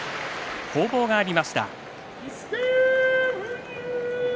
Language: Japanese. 攻防がありました。